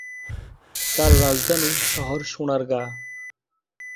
তার রাজধানী শহর সোনারগাঁ।